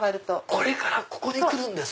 これからここに来るんですか！